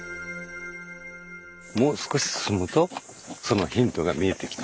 もう少し進むとそのヒントが見えてきます。